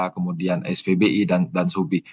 kemudian svbi dan sobi